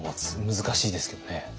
難しいですけどね。